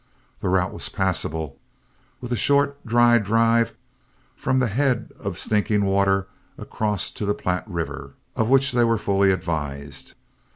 The route was passable, with a short dry drive from the head of Stinking Water across to the Platte River, of which they were fully advised.